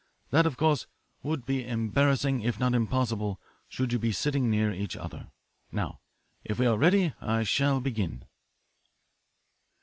That, of course, would be embarrassing, if not impossible, should you be sitting near each other. Now, if we are ready, I shall begin."